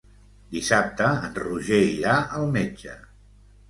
Dissabte en Roger irà al metge.